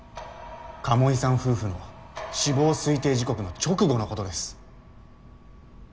鴨居さん夫婦の死亡推定時刻の直後のことです。